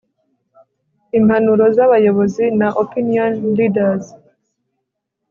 impanuro z'abayobozi na opinion leaders